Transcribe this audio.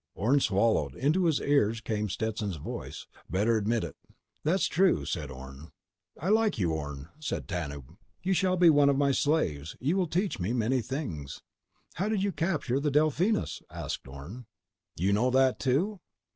Orne swallowed. Into his ears came Stetson's voice: "Better admit it." "That's true," said Orne. "I like you, Orne," said Tanub. "You shall be one of my slaves. You will teach me many things." "How did you capture the Delphinus?" asked Orne. "You know that, too?"